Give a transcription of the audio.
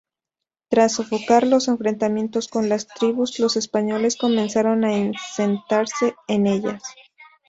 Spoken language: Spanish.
Tras sofocar los enfrentamientos con las tribus, los españoles comenzaron a asentarse en ellas.